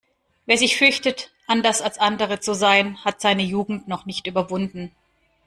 Wer sich fürchtet, anders als andere zu sein, hat seine Jugend noch nicht überwunden.